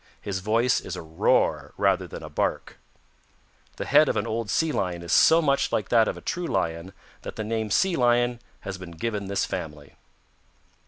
His voice is a roar rather than a bark. The head of an old Sea Lion is so much like that of a true Lion that the name Sea Lion has been given this family.